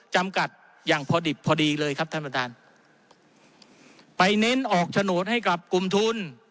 จำกัดอย่างพอดิบพอดีเลยครับท่านประธานไปเน้นออกโฉนดให้กับกลุ่มทุน